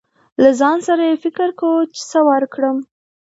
له ځان سره يې فکر کو، چې څه ورکړم.